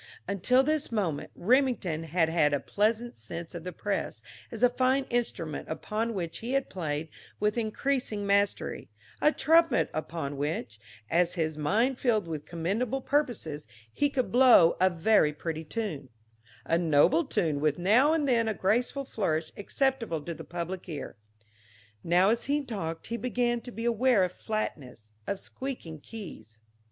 Until this moment Remington had had a pleasant sense of the press as a fine instrument upon which he had played with increasing mastery, a trumpet upon which, as his mind filled with commendable purposes, he could blow a very pretty tune, a noble tune with now and then a graceful flourish acceptable to the public ear. Now as he talked he began to be aware of flatness, of squeaking keys....